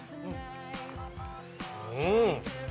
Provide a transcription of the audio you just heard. うん！